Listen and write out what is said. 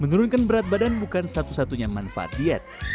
menurunkan berat badan bukan satu satunya manfaat diet